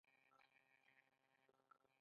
هندوانه د خولې خوشبويي زیاتوي.